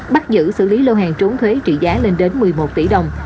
bắt giữ xử lý lô hàng trốn thuế trị giá lên đến một mươi một tỷ đồng